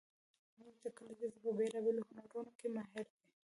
زموږ د کلي ښځې په بیلابیلو هنرونو کې ماهرې دي